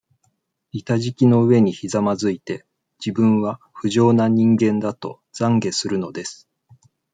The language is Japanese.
板敷きの上にひざまづいて、自分は、不浄な人間だと、懺悔するのです。